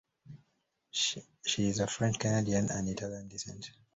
She is of French-Canadian and Italian descent.